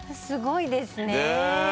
すごいですね。